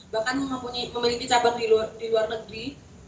bahkan memiliki cabang di luar negeri